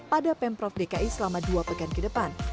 pada pemprov dki selama dua pekan ke depan